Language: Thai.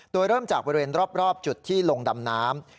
โดยเริ่มจากบริเวณรอบจุดที่ลงดำน้ำ